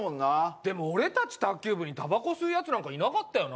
でも、俺たち卓球部に、たばこ吸うやつなんていなかったよな。